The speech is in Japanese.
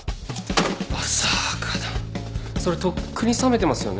それとっくに冷めてますよね？